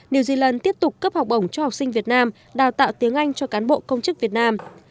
new zealand tiếp tục cấp học bổng cho học sinh việt nam đào tạo tiếng anh cho cán bộ công chức việt nam